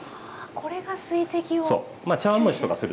これが水滴を吸収。